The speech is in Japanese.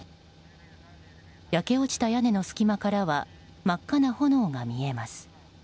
焼け落ちた屋根の隙間からは真っ赤な炎が見えます。